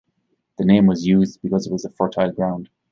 The name was used because it was a fertile ground.